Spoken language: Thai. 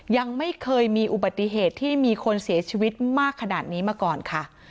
ยังไม่เคยมีอุบัติเหตุที่มีคนเสียชีวิตมากขนาดนี้มาก่อนค่ะ